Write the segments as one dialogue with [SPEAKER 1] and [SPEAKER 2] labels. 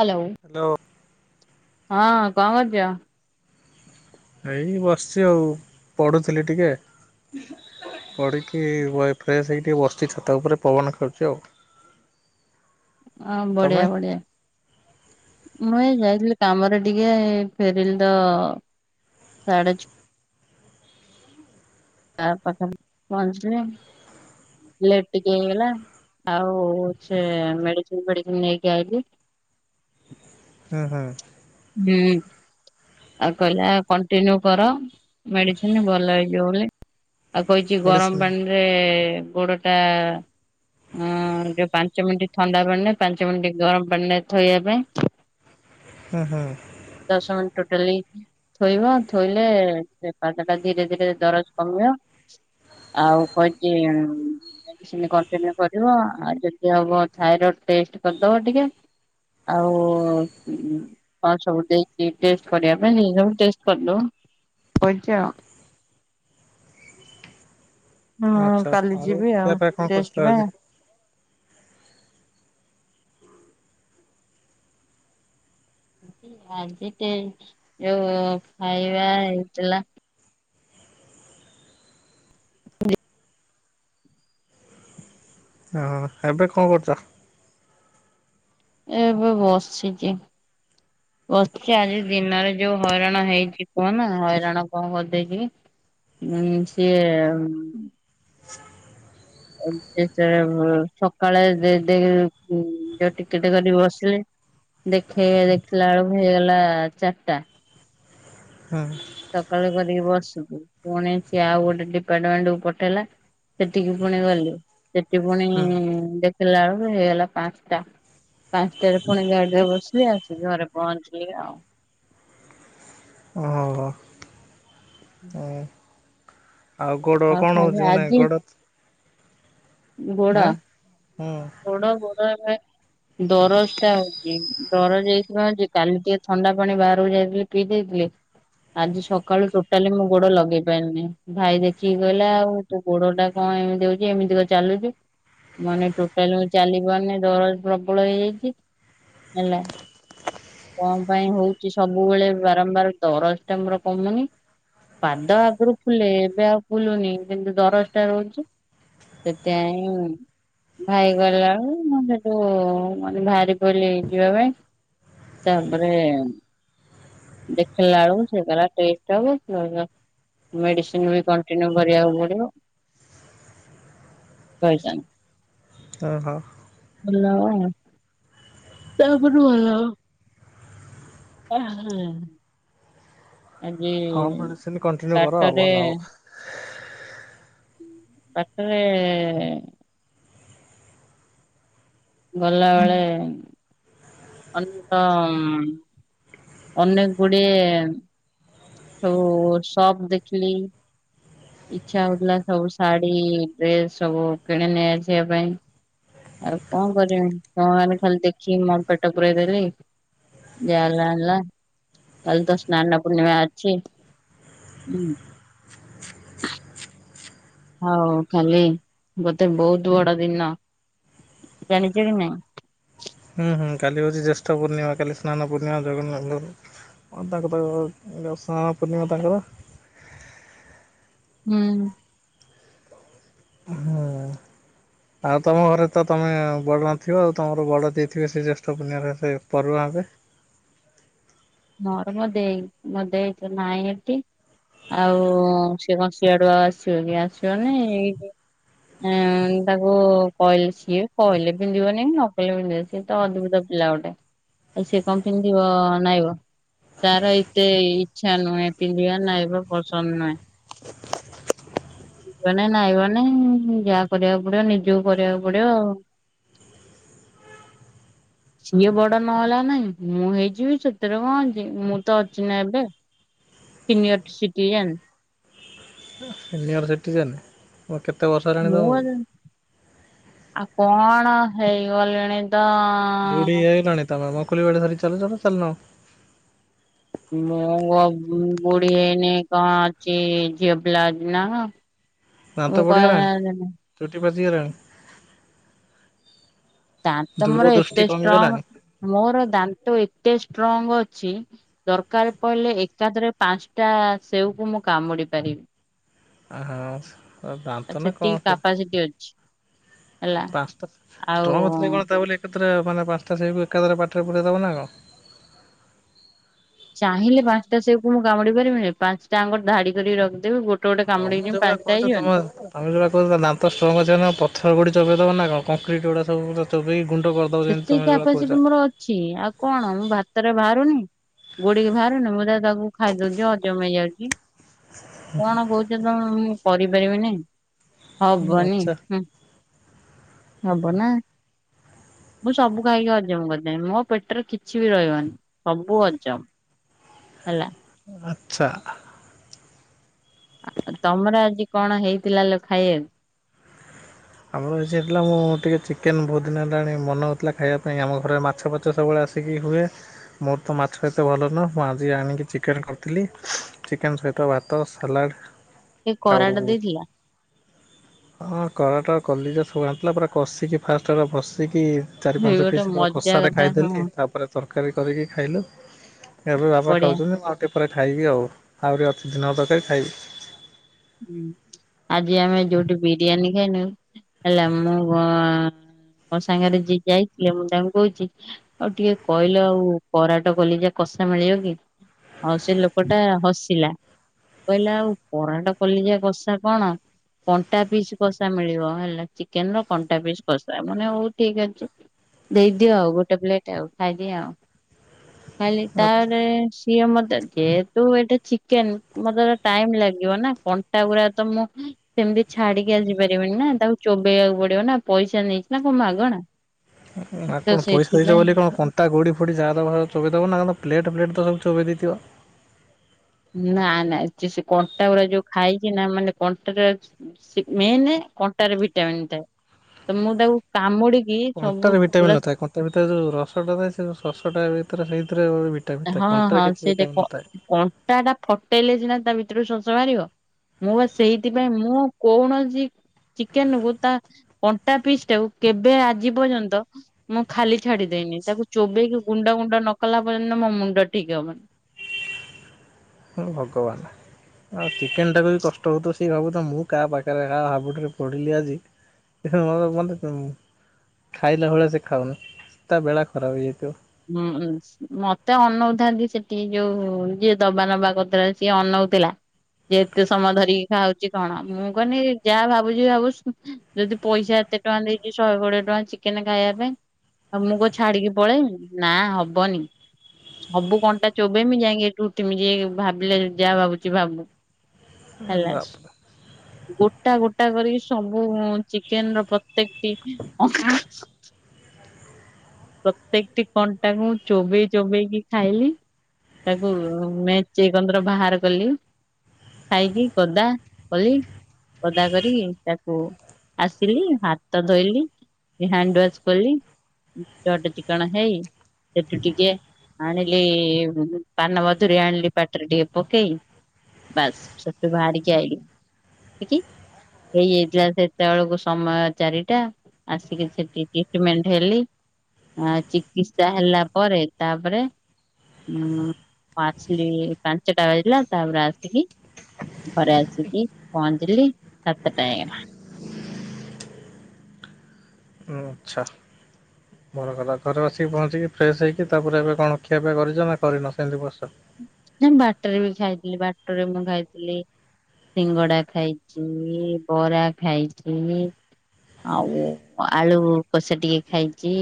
[SPEAKER 1] Hello.
[SPEAKER 2] Hello.
[SPEAKER 1] ହଁ କଁ କରୁଚ?
[SPEAKER 2] ଏଇ ବସିଚି ଆଉ ପଢୁଥିଲି ଟିକେ। ପଢିକି ବଏ ଫ୍ରେଶ ହେଇ ଟିକେ ବସିଚି ଛାତ ଉପରେ ପବନ ଖାଉଚି ଆଉ।
[SPEAKER 1] ଅଁ
[SPEAKER 2] ତମେ?
[SPEAKER 1] ବଢ଼ିଆ ବଢିଆ। ମୁଁ ଏଇ ଯାଇଥିଲି କାମରେ ଟିକେ ଏଇ ଫେରିଲି ତ ସାଢେ ଛ ତା ପାଖରେ ପହଞ୍ଚଲିଣି। ଲେଟ୍ ଟିକେ ହେଇଗଲା ଆଉ ସେ ମେଡିସିନ ଫେଡିସିନ ନେଇକି ଆଇଲି।
[SPEAKER 2] ହୁଁ ହୁଁ।
[SPEAKER 1] ହୁଁ। ଆଉ କହିଲା କଣ୍ଟିନ୍ୟୁ କର ମେଡିସିନ ଭଲ ହେଇଯିବ ବୋଲି। ଆଉ କହିଚି ଗରମ
[SPEAKER 2] ମେଡିସିନ
[SPEAKER 1] ପାଣିରେ ଗୋଡ ଟା ହୁଁ ଯୋଉ ପାଞ୍ଚ ମିନିଟ୍ ଥଣ୍ଡା ପାଣିରେ ପାଞ୍ଚ ମିନିଟ୍ ଗରମ ପାଣି ଥୋଇବା ପାଇଁ। [inaudible]
[SPEAKER 2] ହଁ ହଁ।
[SPEAKER 1] ଦଶ ମିନ୍ ଟୋଟାଲି ଥୋଇବ ଥୋଇଲେ ସେ ପାଦ ଟା ଧୀରେ ଧୀରେ ଦରଜ କମିବ। ଆଉ କହିଚି ମ୍ ମେଡ଼ିସିନ କଣ୍ଟିନିଉ କରିବ ଆଉ ଯଦି ହବ ଥାଇରଡ ଟେଷ୍ଟ କରଦବ ଟିକେ। ଆଉ ଉଁ କଣ ସବୁ ଦେଇଚି ଟେଷ୍ଟ କରିଆ ପାଇଁ ସେ ସବୁ ଟେଷ୍ଟ କରଦବ କହିଚି ଆଉ। ହଁ
[SPEAKER 2] ଆଚ୍ଛା
[SPEAKER 1] କାଲି ଯିବି
[SPEAKER 2] ଖିଆ
[SPEAKER 1] ଆଉ
[SPEAKER 2] ପିଆ କଣ କରିଥିଲ
[SPEAKER 1] ଟେଷ୍ଟ
[SPEAKER 2] ଆଜି?
[SPEAKER 1] ପାଇଁ। ଆଜି ଟେଷ୍ ଯୋଉ ଖାଇବା ହେଇଥିଲା।
[SPEAKER 2] ହଁ ଏବେ କଣଁ କରୁଚ?
[SPEAKER 1] ଏବେ ବସିଚି। ବସିଚି ଆଜି ଦିନରେ ଯୋଉ ହଇରାଣ ହେଇଚି କୁହ ନା ହଇରାଣ କଣ କରିଦେଇକି ହୁଁ ସିଏ [unintelligible] ସକାଳେ ଦେଇ ଯ ଉଁ ଟିକେଟ କରି ବସିଲେ ଦେଖେ ଦେଖିଲା ବେଳକୁ ହେଇଗଲା ଚାରିଟା।
[SPEAKER 2] ହଁ।
[SPEAKER 1] ସକାଳୁ କରିକି ବସିବୁ ପୁଣି ସିଏ ଆଉ ଗୋଟେ ଡିପାର୍ଟମେଣ୍ଟ କୁ ପଠେଇଲା। ସେଠିକି ପୁଣି ଗଲୁ ସେଠି ପୁଣି
[SPEAKER 2] ହୁଁ।
[SPEAKER 1] ଦେଖେଇଲା ବେଳକୁ ହେଇଗଲା ପାଞ୍ଚଟା। ପାଞ୍ଚଟାରେ ପୁଣି ଗାଡିରେ ବସିଲି ଆସିକି ଘରେ ପହଞ୍ଚିଲି ଆଉ।
[SPEAKER 2] ଓ ହୋ।
[SPEAKER 1] [inaudible]
[SPEAKER 2] ଆଉ ଗୋଡ
[SPEAKER 1] ଆଉ
[SPEAKER 2] କଣ
[SPEAKER 1] ଖାଲି
[SPEAKER 2] ହଉଚି ମାନେ
[SPEAKER 1] ଆଜି
[SPEAKER 2] ଗୋଡ ହାଁ, ହୁଁ।
[SPEAKER 1] ଗୋଡ଼ ମୋର ଏବେ ଦରଜଟା ହଉଛି ଦରଜ ଏଇଥିପାଇଁ ଯେ କାଲି ଟିକେ ଥଣ୍ଡା ପାଣି ବାହାରକୁ ଯାଇଥିଲି ପିଇ ଦେଇଥିଲି। ଆଜି ସକାଳୁ ଟୋଟାଲି ମୁଁ ଗୋଡ ଲଗେଇ ପାରିଲିନି, ଭାଇ ଦେଖିକି କହିଲା ଆଉ ତୋ ଗୋଡ ଟା କଣ ଏମିତି ହଉଛି ଏମିତିକା କଣ ଚାଲୁଛୁ, ମାନେ ଟୋ କାଲି ମୁଁ ଚାଲିି ପାରୁନି ଦରଜ ପ୍ରବଳ ହେଇଯାଇଛି ହେଲା। କଣ ପାଇଁ ହଉଛି ସବୁବେଳେ ବାରମ୍ବାର, ଦରଜ ଟା ମୋର କମୁନି। ପାଦ ଆଗରୁ ଫୁଲେ ଏବେ ଆଉ ଫୁଲୁନି କିନ୍ତୁ ଦରଜଟା ରହୁଛି। ସେଥିପାଇଁ ଭାଇ ଗଲା, ମୁଁ ସେଠୁ ମାନେ ବାହାରି ପଡିଲି ଯିବା ପାଇଁ। ତାପରେ ଦେଖିଲା ବେଳକୁ ସିଏ କହିଲା ଟେଷ୍ଟ ହବ [inaudible] ମେଡିସିନ ବି କଣ୍ଟିନ୍ୟୁ କରିବାକୁ ପଡିବ କହିଛନ୍ତି।
[SPEAKER 2] ତ ହଁ।
[SPEAKER 1] ଭଲ ଆଉ [inaudible] ଆଜି
[SPEAKER 2] ହଁ ମେଡିସିନ କଣ୍ଟିନ୍ୟୁ କର ଆଉ
[SPEAKER 1] ବାଟରେ
[SPEAKER 2] ଭଲ ହବ।
[SPEAKER 1] ବାଟରେ ଗଲା ବେଳେ ଅନେକ ଅନେକ ଗୁଡିଏ ସବୁ ସପ୍ ଦେଖିଲି। ଇଚ୍ଛା ହଉଥିଲା ସବୁ ଶାଢୀ ଡ୍ରେସ ସବୁ କିଣିନେଇ ଆସିବା ପାଇଁ। ଆଉ କଣ କରିବି, ହଁ ଆମେ ଖାଲି ଦେଖିକି ମୋର ପେଟ ପୂୁରଇଦେଲି। ଯାହା ହେଲା ହେଲା, କାଲି ତ ସ୍ନାନ ପୂର୍ଣ୍ଣିମା ଅଛି। ହଉ କାଲି ଗୋଟେ ବହୁତ ବଡ ଦିନ, ଜାଣିଛ କି ନାଇଁ?
[SPEAKER 2] ହୁଁ, କାଲି ହଉଛି ଜ୍ୟେଷ୍ଠ ପୂର୍ଣ୍ଣିମା, କାଲି ସ୍ନାନ ପୂର୍ଣିମା ଜଗନ୍ନାଥ ହଁ, ତାଙ୍କର ତ ଯୋଉ ସ୍ନାନ ପୂର୍ଣିମା ତାଙ୍କର।
[SPEAKER 1] ହୁଁ।
[SPEAKER 2] ହୁଁ। ଆଉ ତମ ଘରେ ତମେ ବଡ଼ ନଥିବ ଆଉ ତମର ବଡ଼ ଯିଏ ଥିବେ ସେ ଜ୍ୟେଷ୍ଠ ପୂର୍ଣ୍ଣିମା ରେ ସେ ପରୁହାଁ ହେବେ।
[SPEAKER 1] ମୋର ମୋ ଦେଇ, ମୋ ଦେଇ ତ ନାଇଁ ଏଠି। ଆଉ ସିଏ କଣ ସିଆଡୁ ଆଉ ଆସିବ କି ଆସିବନି ଏଇଠି ଏଁ ତାକୁ କହିଲେ ସିଏ କହିଲେ ପିନ୍ଧିବନି ନ କହିଲେ ପିନ୍ଧିବ ସିଏ ତ ଅଦ୍ଭୁତ ପିଲା ଗୋଟେ ଆଉ ସିଏ କଣ ପିନ୍ଧିବ ନାଇଁବ। ତାର ଏତେ ଇଚ୍ଛା ନୁହେଁ ପିନ୍ଧିବା ନାଇଁବା ପସନ୍ଦ ନୁହେଁ। ମାନେ ନାଇବନି ଯାହା କରିବାକୁ ପଡିବ ନିଜକୁ କରିବାକୁ ପଡିବ ଆଉ। [inaudible] ସିଏ ବଡ ନହେଲା ନାଇଁ ମୁଁ ହେଇଯିବି ସେଥିରେ କଣ ଅଛି ମୁଁ ତ ଅଛି ନା ଏବେ। Senior citizen.
[SPEAKER 2] Senior citizen. ପୁଅ କେତେ ବର୍ଷ? ହେଲାଣି
[SPEAKER 1] ମୁଁ
[SPEAKER 2] ତମକୁ
[SPEAKER 1] [unintelligible] ଆଉ କଣ ହେଇଗଲିଣି ତ
[SPEAKER 2] ବୁଢୀ ହେଇଗଲଣି ତମେ ବଙ୍କୁଲି ବାଡି ଧରି ଚାଲୁଚ ନା ଚାଲୁନ?
[SPEAKER 1] ମୁଁ ଆଉ ବୁଢୀ ହେଇନି କଣ ଅଛି ଝିଅ ପିଲା ନା କଣ?
[SPEAKER 2] ଦାନ୍ତ ପଡିଗଲାଣି, ଚୁଟି ପାଚିଗଲାଣି?
[SPEAKER 1] ଦାନ୍ତ
[SPEAKER 2] ଦୂର
[SPEAKER 1] ମୋର
[SPEAKER 2] ଦୃଷ୍ଟି
[SPEAKER 1] ଏତେ ଷ୍ଟ୍ରଙ୍ଗ,
[SPEAKER 2] କମିଗଲାଣି।
[SPEAKER 1] ମୋର ଦାନ୍ତ ଏତେ ଷ୍ଟ୍ରଙ୍ଗ ଅଛି ଦରକାର ପଇଲେ ଏକାଥରେ ପାଞ୍ଚଟା ସେଓକୁ ମୁଁ କାମୁଡି ପାରିବି।
[SPEAKER 2] ଆହା ଦାନ୍ତ
[SPEAKER 1] ଆଉ
[SPEAKER 2] ନା କଣ
[SPEAKER 1] ସେତିକି
[SPEAKER 2] ସେ
[SPEAKER 1] କାପାସିଟି ଅଛି। ହେଲା
[SPEAKER 2] ପାଞ୍ଚଟା,
[SPEAKER 1] ଆଉ
[SPEAKER 2] ଷ୍ଟ୍ରଙ୍ଗ ଥିଲେ କଣ ତା ବୋଲି ଏକାଥରେ ମାନେ ପାଞ୍ଚଟା ସେଓକୁ ଏକାଥରେ ପାଟିରେ ପୁରେଇ ଦେବ ନା କଣ?
[SPEAKER 1] ଚାହିଁଲେ ପାଞ୍ଚଟା ସେଓକୁ ମୁଁ କାମୁଡି ପାରିବିନି, ପାଞ୍ଚଟା ଯାଙ୍କ ଧାଡି କରିକି ରଖିଦେବି ଗୋ ତୁ ଗୋଟେ କାମୁଡିଚୁ ପାନ୍ସଟା ହେଇଯିବନି।
[SPEAKER 2] ତୋମେ ଯୋଉଟା କହୁଚ ତା ଦାନ୍ତ ଷ୍ଟ୍ରଙ୍ଗ ଅଛି ନା ପଥର ଗୋଡି ଚୋବେଇ ଦବ ନା କଣ? କଂକ୍ରିଟ୍ ଗୁଡା ସବୁ ତ ଚୋବେଇ ଗୁଣ୍ଡ କର
[SPEAKER 1] ସେତିକି କ୍ୟାପାସିଟି ମୋର ଅଛି ଆଉ କଣ ମୁଁ ଭାତରେ ବାହାରୁନି। ଗୋଡି କି ବାହାରୁନି ମୁଁ ତା ତାକୁ ଖାଇଦଉଚି ହଜମ ହେଇଯାଉଚି। କଣ କହୁଚ ତୋମେ ମୁଁ କରିପାରିବିନି, ହବନି
[SPEAKER 2] ଆଚ୍ଛା
[SPEAKER 1] ହୁଁ,। ହବ ନା। ମୁଁ ସବୁ ଖାଇକି ହଜମ କରିଦେମି ମୋ ପେଟରେ କିଛି ବି ରହିବନି ସବୁ ହଜମ। ହେଲା।
[SPEAKER 2] ଆଚ୍ଛା।
[SPEAKER 1] ଆଉ ତୋମର ଆଜି କଣ ହେଇଥିଲା ଲୋ ଖାଇବାକୁ?
[SPEAKER 2] ଆମର ଆଜି ହେଇଥିଲା ମୁଁ ଟିକେ ଚିକେନ୍ ବହୁତ ଦିନ ହେଲାଣି ମନ ହଉଥିଲା ଖାଇବା ପାଇଁ ଆମ ଘରେ ମାଛ ଫା ଛ ସବୁବେଳେ ଆସିକି ହୁଏ। ମୋର ତ ମାଛ ଏତେ ଭଲ ନୁହଁ। ମୁଁ ଆଜି ଆଣିକି ଚିକେନ୍ କରିଥିଲି। ଚିକେନ୍ ସହିତ ଭାତ ସାଲାଡ଼।
[SPEAKER 1] ଏ
[SPEAKER 2] ଆଉ
[SPEAKER 1] କରାଟ ଦେଇଥିଲା
[SPEAKER 2] ହଁ କରଟ କଲିଜା ସବୁ ଆଣିଥିଲା ପୁରା କଷିକି ଫାଷ୍ଟ ହେଲା ବସିକି ଚାରି,
[SPEAKER 1] ହେଇ
[SPEAKER 2] ପାଞ୍ଚ
[SPEAKER 1] ଗୋଟେ
[SPEAKER 2] ପିସ୍ ପୁରା
[SPEAKER 1] ମଜା
[SPEAKER 2] କଷାରେ
[SPEAKER 1] କଥା ହଁ
[SPEAKER 2] ଖାଇଦେଲି। ତାପରେ ତରକାରୀ କରିକି ଖାଇଲୁ ତାପରେ ବାପା
[SPEAKER 1] ବଢିଆ
[SPEAKER 2] ଖାଉଛନ୍ତି, ମୁଁ ଆଉ ଟି କେ ପରେ ଖାଇବି ଆଉ, ଆଉରି ଅଛି ଦିନ ତରକାରୀ ଖାଇବି।
[SPEAKER 1] ହୁଁ, ଆଜି ଆମେ ଯୋଉଠି ବିରିୟାନୀ ଖାଇନୁ ହେଲା ମୁଁ ଘ ମୋ ସାଙ୍ଗରେ ଯିଏ ଯାଇଥିଲେ ମୁଁ ତାଙ୍କୁ କହୁଛି ଆଉ ଟିକେ କହିଲ ଆଉ କରାଟ କଲିଜା କଷା ମିଳିବ କି? ଆଉ ସେ ଲୋକଟା ହସିଲା କହିଲା ଆଉ କରାଟ କଲିଜା କଷା କଣ? କଣ୍ଟା ପିସ୍ କଷା ମିଳିବ, ହେଲା ଚିକେନ୍ ର କଣ୍ଟା ପିସ୍ କଷା ମୁଁ କହିନି ହଉ ଠିକ ଅଛି। ଦେଇଦିଅ ଆଉ ଗୋଟେ ପ୍ଲେଟ୍ ଆଉ ଖାଇଦିଏଁ ଆଉ, ଖାଇଲି,
[SPEAKER 2] ଆଚ୍ଛା
[SPEAKER 1] ତାରେ ସିଏ ମୋତେ ଯେହେତୁ ଏଟା ଚିକେନ୍ ମୋତେ ତ ଟାଇମ୍ ଲାଗିବ ନା। କଣ୍ଟା ଗୁଡା ତ ମୁଁ ସେମିତି ଛାଡିକି ଆସି ପାରିବନି ନା, ତାକୁ ଚୋବେଇବାକୁ ପଡିବ ନା ପଇସା ନେଇଛି ନା କଣ ମାଗଣା। ତ
[SPEAKER 2] ଆପଣ ପଇସା ଦେଇଛ
[SPEAKER 1] ସେଇଥିପାଇଁ
[SPEAKER 2] ବୋଲି କଣ କ ତା ଗୁଡି ଫୁଡି ଯା ଦବ କଣ ଚୋବେଇ ଦବନା କଣ ପ୍ଲେଟ୍ ଫ୍ଲେଟ୍ ତ ସବୁ ଚୋବେଇ ଦେଇଥିବ?
[SPEAKER 1] ନା ନା ଚେ ସେ କଣ୍ଟା ଗୁଡା ଯୋଉ ଖାଇଚି ନା ମାନେ କଣ୍ଟାଟା ସେ ମେନେ କଣ୍ଟାରେ ଭିଟାମିିନ୍ ଥାଏ। ତ ମୁଁ ତାକୁ କାମୁଡିକି ସବୁ ପୁରା
[SPEAKER 2] ତା ଭିତରେ ଯୋଉ ରସଟା ଥାଏ ସେ ସଶଟା ଭିତରେ ସେଇଥିରେ ଭି
[SPEAKER 1] ଏ ହଁ, ହଁ ସେଇଟା କ- କଣ୍ଟାଟା ଫଟେଇଲେ ସିନା ତା ଭିତରୁ ଶୋଷ ବାହାରିବ। ମୁଁ ବା ସେଇଥିପାଇଁ ମୁଁ କୌଣସି ଚିକେନ୍ କୁ ତା କଣ୍ଟା ପିସ୍ ଟାକୁ କେବେ ଆଜି ପର୍ଯ୍ୟନ୍ତ ମୁଁ ଖାଲି ଛାଡି ଦେଇନି, ତାକୁ ଚୋବେଇକି ଗୁଣ୍ଡ ଗୁଣ୍ଡ ନ କଲା ପର୍ଯ୍ୟନ୍ତ ମୋ ମୁଣ୍ଡ ଠିକ ହବନି।
[SPEAKER 2] ହେ ଭଗବାନ। ଆଉ ଚିକେନ୍ ଟାକୁ ବି କଷ୍ଟ ହଉଥୁବ ସେ ଭାବୁଥିବ ମୁଁ କା ପାଖରେ ହା -ହାବୁଡିରେ ପଡିଲି ଆଜି। ଏ ସେ ମୋତେ ମୋତେ ଉଁ, ଖାଇଲା ଭଳିଆ ସେ ଖାଉନି, ତା ବେଳା ଖରାପ ହେଇଯାଇଥିବ।
[SPEAKER 1] ହୁଁ, ଉଁ, ମୋତେ ଅନଉଥାନ୍ତି ସେଠି ଯୋଉ ଯିଏ ଦବା ନବା କରିଥିଲା ସିଏ ଅନଉଥିଲା। ଯେ ଏତେ ସମୟ ଧରିକି ଖାଉଚି କଣ ମୁଁ କହନି ଯାହା ଭାବୁଚି ଭାବୁ। ଯଦି ପଇସା ଏତେ ଟଙ୍କା ଦେଇକି ଶହେ କୋଡିଏ ଟଙ୍କା ଚିକେନ୍ ଖାଇବା ପାଇଁ। ଆଉ ମୁଁ କ ଛାଡିକି ପଳେଇମି, ନା ହବନି। ସବୁ କଣ୍ଟା ଚୋବେଇମି ଯାଇକି ଏଠୁ ଉଠିମି, ଯିଏ ଭାବିଲେ ଯାହା ଭାବୁଛି ଭାବୁ। ହେଲା,
[SPEAKER 2] ବାପରେ
[SPEAKER 1] ଗୋଟା ଗୋ ଟା କରିକି ସବୁ ଉଁ, ଚିକେନ୍ ର ପ୍ରତ୍ୟେକଟି [inaudible] ପ୍ରତ୍ୟେକଟି କଣ୍ଟାକୁ ମୁଁ ଚୋବେଇ ଚୋବେଇ କି ଖାଇଲି। ତାକୁ ମେଚେ କନ୍ଦୁର ବାହାର କଲି। ଖାଇକି ଗଦା କଲି। ଗଦା କରି ତାକୁ ଆସିଲି ହାତ ଧୋଇଲି। ହଣ୍ଡୱା କଲି ଚଟ ଚିକଣ ହେଇ ସେଠୁ ଟିକେ ଆଣିଲି ପାନ ମଧୁୁରୀ ଆଣିଲି ପାଟରେ ଟିକେ ପକେଇଲି। ବାସ୍ ସେଠୁ ବାହାରିକି ଆଇଲି [unintelligible] ହେଇଯାଇଥିଲା ସେତେବେଳକୁ ସମୟ ଚାରିଟା। ଆସିକି ସେଠି ଟିଟମେଣ୍ଟ ହେଲି। ଆ ଚିକିତ୍ସା ହେଲା ପରେ ତାପରେ ହୁଁ ଆସିଲି ପାଞ୍ଚଟା ବାଜିଲା ତାପରେ ଆସିକି ଘରେ ଆସିକି ପହଞ୍ଚିଲି। ସାତଟା ହେଇଗଲା।
[SPEAKER 2] ଆଚ୍ଛା।
[SPEAKER 1] ହ
[SPEAKER 2] [unintelligible] କଲା ଘରେ ଆସିକି ପହଞ୍ଚିକି ଫ୍ରେଶ୍ ହେଇକି ତାପରେ ଏବେ କଣ ଖିଆ ପିଆ କରିଛ ନା କରିନ ସେମିତି ବସିଛ।
[SPEAKER 1] ନା ବାଟରେ ବି ଖାଇଥିଲି। ବାଟରେ ମୁଁ ଖାଇଥିଲି। ସିଙ୍ଗଡା ଖାଇଛି ବରା ଖାଇଛି। ଆଉ ଆଳୁ କୋଷା ଟିକେ ଖାଇଛି।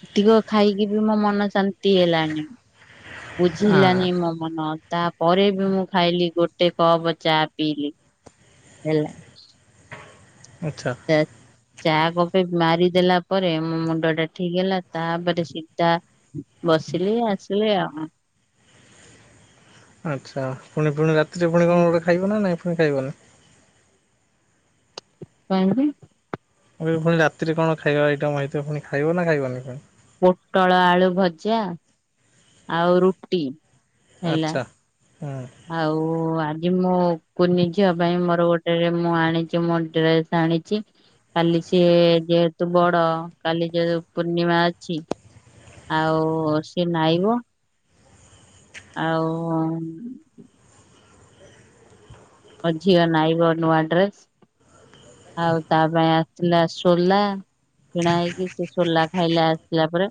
[SPEAKER 1] ସେତିକ ଖାଇକି ବି ମୋ ମନ ଶାନ୍ତି ହେଲାଣି। ବୁଝିଲାନି
[SPEAKER 2] ଆଁ
[SPEAKER 1] ମୋ ମନ ତାପରେ ବି ମୁଁ ଖାଇଲି ଗୋଟେ କପ ଚା ପିଇଲି। ହେଲା।
[SPEAKER 2] ଆଚ୍ଛା।
[SPEAKER 1] [unintelligible] ଚା କଫି ମାରିଦେଲା ପରେ ମୋ ମୁଣ୍ଡ ଟା ଠିକ ହେଲା। ତାପରେ ସିଧା ବସିଲି ଆସିଲି ଆଉ।
[SPEAKER 2] ଆଚ୍ଛା ପୁଣି ପୁଣି ରାତିରେ ପୁଣି କଣ ଗୋଟେ ଖାଇବ ନା ନାଇଁ ପୁଣି ଖାଇବନି?
[SPEAKER 1] [unintelligible]
[SPEAKER 2] ପୁଣି ରାତିରେ କଣ ଖାଇବା ଆଇଟମ୍ ହେଇଥିବ ପୁଣି ଖାଇବ ନା ଖାଇବନି ପୁଣି?
[SPEAKER 1] ପୋଟଳ ଆଳୁ ଭଜା ଆଉ ରୁଟି। ହେଲା
[SPEAKER 2] ଆଚ୍ଛା ହୁଁ।
[SPEAKER 1] ଆଉ ଆଜି ମୁଁ କୁନି ଝିିଅ ପାଇଁ ମୋର ଗୋଟେ ମୁଁ ଆଣିଛି ମୋ ଡ୍ରେସ ଆଣିଛି। କାଲି ସିଏ ଯେହେତୁ ବଡ କାଲି ଯୋ ପୂର୍ଣ୍ଣିମା ଅଛି। ଆଉ ସିଏ ନାଇଁବ ଆଉ। ମଝଅନ ଆବ ନୂଆଡ୍ରେସ୍। ଆଉ ତା ପାଇଁ ଆସିଥିଲା ସୋଲା। କିଣା ହେଇକି ସେ ସୋଲା ଖାଇଲେ ଆସିଲା ପରେ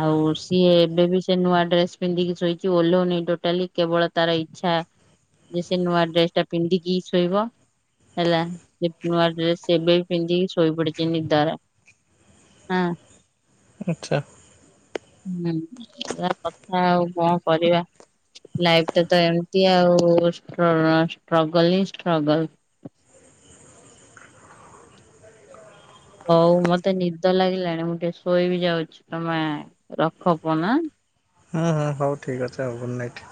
[SPEAKER 1] ଆଉ ସିଏ ଏବେ ବି ସେ ନୂଆ ଡ୍ରେସ୍ ପିନ୍ଧିକି ଶୋଇଛି ଓଲଉନି ଟୋଟାଲି କେବଳ ତାର ଇଚ୍ଛା ଯେ ସେ ନୂଆ ଡ୍ରେସ ଟା ପିନ୍ଧିକି ଶୋଇବ। ହେଲା ସେ ନୂଆ ଡ୍ରେସ ଏବେ ପିନ୍ଧିକି ଶୋଇ ପଡିଛି ନିଦାର। ହଁ।
[SPEAKER 2] ଆଚ୍ଛା
[SPEAKER 1] ହୁଁ ଏ କଥା ଆଉ କଣ କରିବା? ଲାଇଫ ଟା ତ ଏମିତି ଆଉ ଷ୍ଟ୍ରଗଲ ହିଁ ଷ୍ଟ୍ରଗଲ। ହଉ ମତେ ନିଦ ଲାଗିଲାଣି ମୁଁ ଟିକେ ଶୋଇ ବିି ଯାଉଛି ତମେ ରଖ ଫୋନ୍ ନା।
[SPEAKER 2] ହୁଁ ହୁଁ ହଉ ଠିକ୍ ଅ ଆଉ ଗୁଡ଼୍ ନାଇଟ୍।